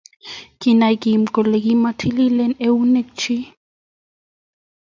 Kinay Kim kole komatililen eunekchi